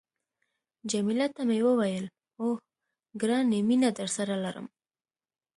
جميله ته مې وویل، اوه، ګرانې مینه درسره لرم.